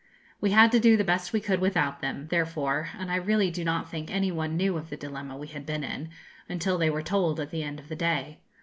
We had to do the best we could without them, therefore, and I really do not think any one knew of the dilemma we had been in, until they were told, at the end of the day.